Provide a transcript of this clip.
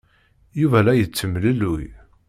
Yuba la yettemlelluy.